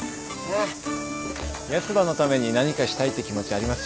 ヤスばのために何かしたいって気持ちありますし。